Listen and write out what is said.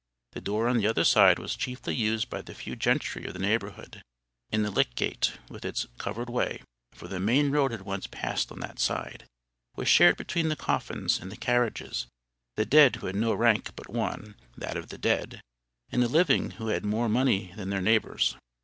The door on the other side was chiefly used by the few gentry of the neighbourhood; and the Lych gate, with its covered way, (for the main road had once passed on that side,) was shared between the coffins and the carriages, the dead who had no rank but one, that of the dead, and the living who had more money than their neighbours.